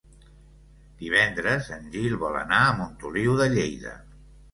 Divendres en Gil vol anar a Montoliu de Lleida.